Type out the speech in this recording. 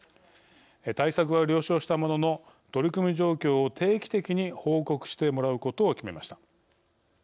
対策は了承したものの取り組み状況を定期的に報告してもらうことを決めました。